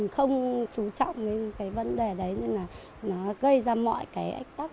không chú trọng đến cái vấn đề đấy nên là nó gây ra mọi cái ách tắc